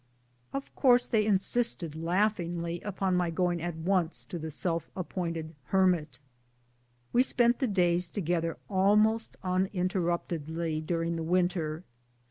Of course they insisted laughingly upon my going at once to the self appointed hermit. We spent the days together almost uninterruptedly GARRISON LIFE. 145 during the winter.